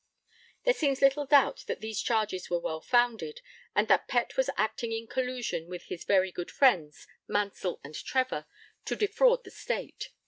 There seems little doubt that these charges were well founded, and that Pett was acting in collusion with his 'very good friends' Mansell and Trevor to defraud the State.